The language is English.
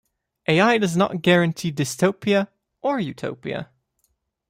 A-I does not guarantee a dystopia or utopia.